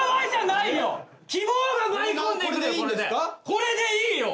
これでいいよ。